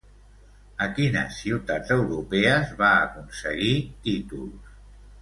A quines ciutats europees va aconseguir títols?